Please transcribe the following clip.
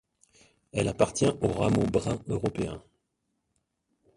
Elle appartient au rameau brun européen.